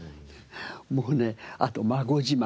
もうねあと孫自慢。